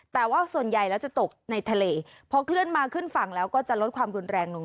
แต่ว่าส่วนใหญ่แล้วจะตกในทะเลพอเคลื่อนมาขึ้นฝั่งแล้วก็จะลดความรุนแรงลง